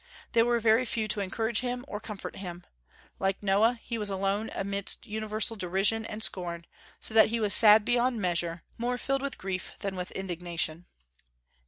There were very few to encourage him or comfort him. Like Noah, he was alone amidst universal derision and scorn, so that he was sad beyond measure, more filled with grief than with indignation.